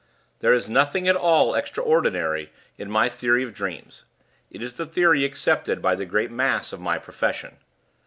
There is nothing at all extraordinary in my theory of dreams: it is the theory accepted by the great mass of my profession.